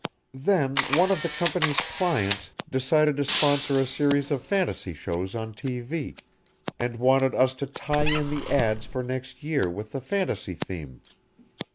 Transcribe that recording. Then one of the company's clients decided to sponsor a series of fantasy shows on TV and wanted us to tie in the ads for next year with the fantasy theme.